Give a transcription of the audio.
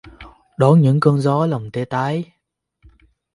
Đón những cơn gió lòng tê tái